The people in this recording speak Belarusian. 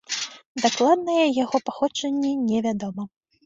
Дакладнае яго паходжанне не вядома.